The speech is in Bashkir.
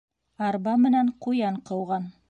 Арба менән ҡуян ҡыуған.